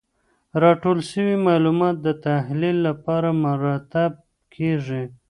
راټول سوي معلومات د تحلیل لپاره مرتب کیږي.